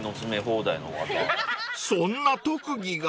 ［そんな特技が？］